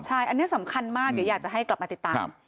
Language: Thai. ใช่อันนี้สำคัญมากเดี๋ยวอยากจะให้กลับมาติดตาม